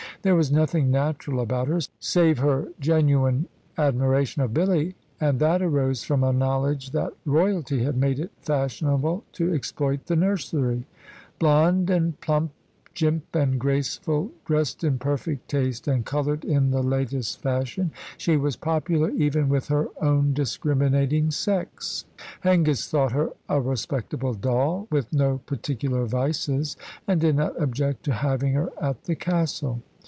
There was nothing natural about her, save her genuine adoration of Billy, and that arose from a knowledge that royalty had made it fashionable to exploit the nursery. Blonde and plump, jimp and graceful, dressed in perfect taste, and coloured in the latest fashion, she was popular even with her own discriminating sex. Hengist thought her a respectable doll, with no particular vices, and did not object to having her at the Castle.